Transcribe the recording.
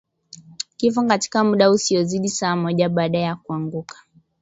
Kifo katika muda usiozidi saa moja baada ya kuanguka